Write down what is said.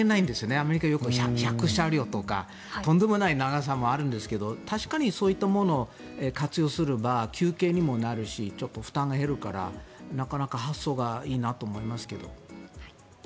アメリカでは１００車両とかとんでもない長さもあるんですが確かにそういったものを活用すれば休憩にもなるしちょっと負担が減るからなかなか発想がいいなと思いますけど。